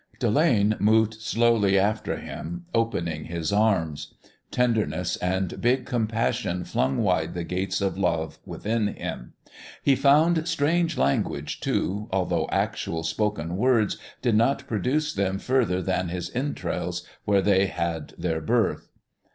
Delane moved slowly after him, opening his arms. Tenderness and big compassion flung wide the gates of love within him. He found strange language, too, although actual, spoken words did not produce them further than his entrails where they had their birth.